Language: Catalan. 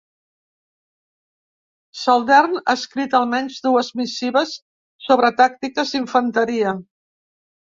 Saldern ha escrit almenys dues missives sobre tàctiques d'infanteria.